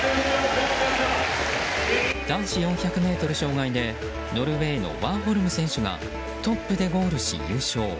男子４００ｍ障害でノルウェーのワーホルム選手がトップでゴールし、優勝。